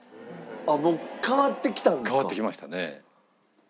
もう変わってきたんですか？